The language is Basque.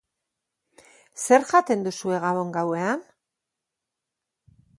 Zer jaten duzue gabon gauean?